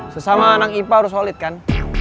sesama anak ipa harus solid kan